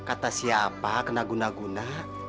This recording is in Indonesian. kata siapa kena guna guna